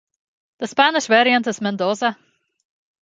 The Spanish variant is Mendoza.